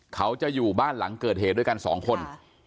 เขาจะอยู่บ้านหลังเกิดเหตุด้วยกันสองคน